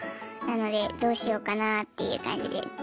なのでどうしようかなっていう感じで。